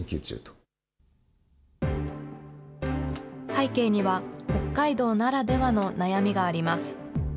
背景には、北海道ならではの悩みがあります。